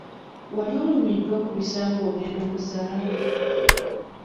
Wali olumiddwa ku bisa nga ogenda okuzaala?